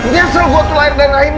dia sel gue tuh lahir dan lahir lu